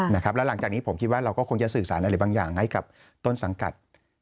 แล้วหลังจากนี้ผมคิดว่าเราก็คงจะสื่อสารอะไรบางอย่างให้กับต้นสังกัด